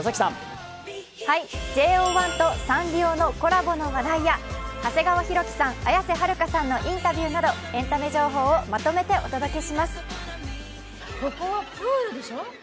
ＪＯ１とサンリオのコラボの話題や長谷川博己さん、綾瀬はるかさんのインタビューなどエンタメ情報をまとめてお届けします。